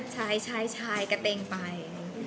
ใช่กระเตงไป